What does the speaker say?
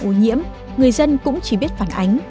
tình trạng ô nhiễm người dân cũng chỉ biết phản ánh